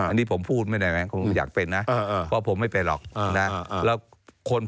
อันนี้ผมพูดไม่ได้ไหมคงอยากเป็นนะเพราะผมไม่เป็นหรอกนะ